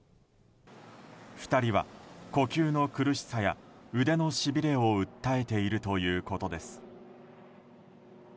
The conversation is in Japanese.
２人は呼吸の苦しさや腕のしびれを訴えているということです。